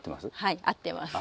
はい合ってます。